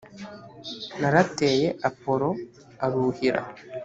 narateye apolo aruhira